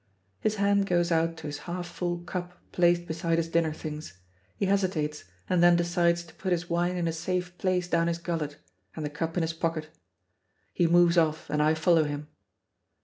His hand goes out to his half full cup placed beside his dinner things; he hesitates, and then decides to put his wine in a safe place down his gullet, and the cup in his pocket. He moves off and I follow him.